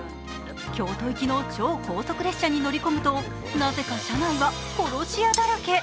京都行きの超高速列車に乗り込むと、なぜか車内は殺し屋だらけ。